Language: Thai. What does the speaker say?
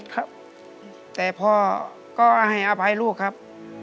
ครับแต่พ่อก็ให้อภัยลูกครับ